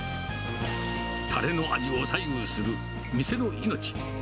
たれの味を左右する店の命。